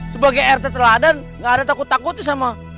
sebagai rt teladan nggak ada takut takut sama